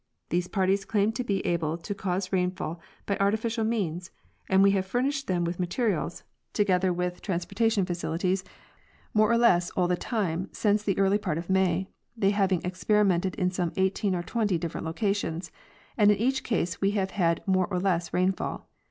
These parties claimed to be able to cause rainfall _by"artificial means, and we have furnished them with materials, together 58 M. W. Harrington— Weather making. with transportation facilities, more or less all the time since the early part of May, they having experimented in some eighteen or twenty different locations, and in each case we have had more or less rainfall.